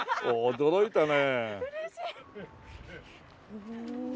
驚いたね。